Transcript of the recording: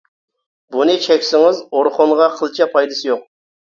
بۇنى چەكسىڭىز ئورخۇنغا قىلچە پايدىسى يوق.